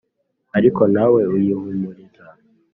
ariko nta we uyihumuriza.